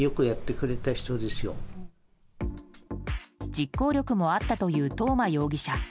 実行力もあったという東間容疑者。